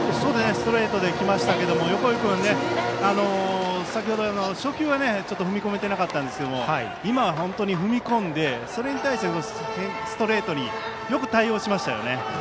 ストレートできましたが横井君、先程、初球は踏み込めてなかったんですが今は本当に踏み込んでストレートによく対応しましたよね。